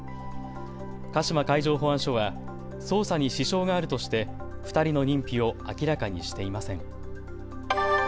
鹿島海上保安署は捜査に支障があるとして２人の認否を明らかにしていません。